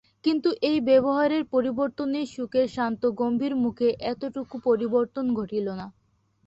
কিন্তু এই ব্যবহারের পরিবর্তনে শুকের শান্ত গম্ভীর মুখে এতটুকু পরিবর্তন ঘটিল না।